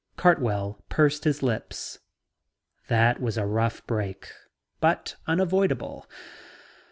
Cartwell pursed his lips. "That was a rough break, but unavoidable.